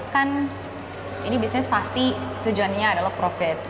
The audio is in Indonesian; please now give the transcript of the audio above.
kan ini bisnis pasti tujuannya adalah profit